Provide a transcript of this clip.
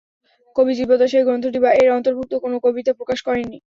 কবি জীবদ্দশায় এ গ্রন্থটি বা এর অন্তর্ভুক্ত কোন কবিতা প্রকাশ করেন নি।